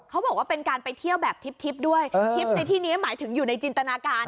เขาบอกว่าเป็นการไปเที่ยวแบบทิพย์ด้วยทิพย์ในที่นี้หมายถึงอยู่ในจินตนาการ